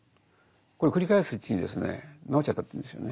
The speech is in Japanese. これを繰り返すうちに治っちゃったというんですよね。